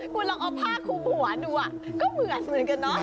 คุณลองเอาผ้าคุมหัวดูก็เหมือนเหมือนกันเนาะ